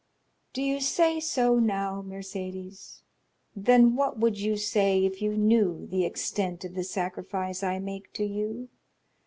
"Do you say so now, Mercédès?—then what would you say if you knew the extent of the sacrifice I make to you?